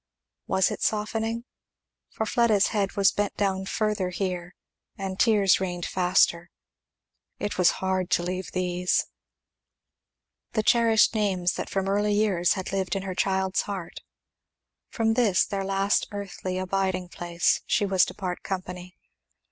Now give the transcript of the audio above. Was it softening? for Fleda's head was bent down further here, and tears rained faster. It was hard to leave these! The cherished names that from early years had lived in her child's heart, from this their last earthly abiding place she was to part company.